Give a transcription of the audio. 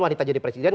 wanita jadi presiden